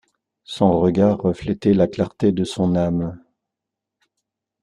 Son regard reflétait la clarté de son âme.